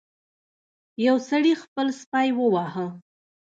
یو سړي خپل سپی وواهه.